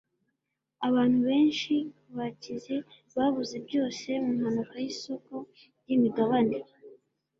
abantu benshi bakize babuze byose mu mpanuka yisoko ryimigabane